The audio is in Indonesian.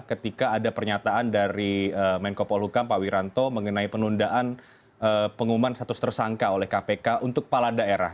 ketika ada pernyataan dari menko polhukam pak wiranto mengenai penundaan pengumuman status tersangka oleh kpk untuk kepala daerah